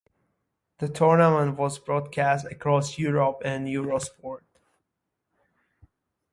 The tournament was broadcast across Europe on Eurosport.